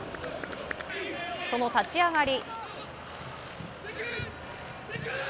その立ち上がり。